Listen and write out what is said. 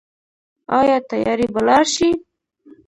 آیا تیارې به لاړې شي؟